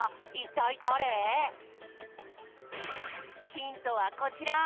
ヒントはこちら！